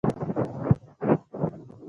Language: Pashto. واخلئ